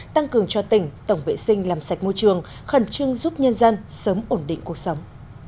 tăng cường cho tỉnh tổng vệ sinh làm sạch môi trường khẩn trương giúp nhân dân sớm ổn định cuộc sống